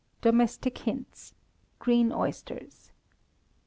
Domestic Hints (Green Oysters).